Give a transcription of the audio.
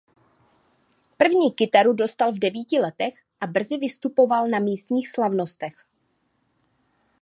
První kytaru dostal v devíti letech a brzy vystupoval na místních slavnostech.